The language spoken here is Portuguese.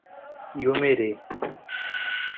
Iomerê